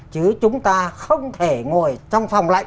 chứ chúng ta không thể ngồi trong phòng lạnh